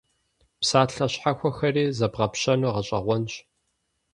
Псалъэ щхьэхуэхэри зэбгъэпщэну гъэщӀэгъуэнщ.